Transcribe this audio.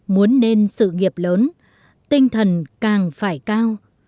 muốn nên sự nghiệp lớn tinh thần càng phải cao